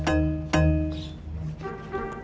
tunggu bentar ya kakak